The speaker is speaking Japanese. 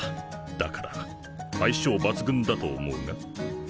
だから相性抜群だと思うが？